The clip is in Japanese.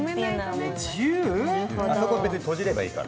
あそこ別に閉じればいいから。